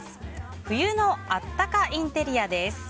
冬のあったかインテリアです。